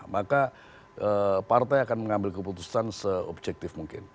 maka partai akan mengambil keputusan seobjektif mungkin